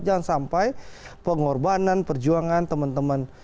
jangan sampai pengorbanan perjuangan teman teman